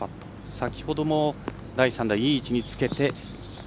先ほども、第３打いい位置につけて。